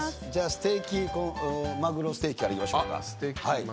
「ステキまぐろステーキ」からいきましょうか。